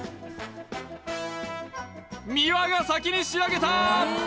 美輪が先に仕上げた！